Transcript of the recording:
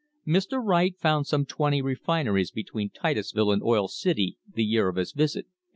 Mr. Wright found some twenty refineries between Titus ville and Oil City the year of his visit, 1865.